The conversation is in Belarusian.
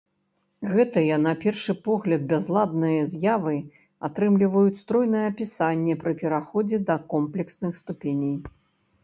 Гэтыя, на першы погляд бязладныя, з'явы атрымліваюць стройнае апісанне пры пераходзе да камплексных ступеней.